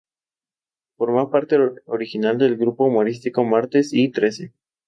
Formó parte original del grupo humorístico Martes y Trece.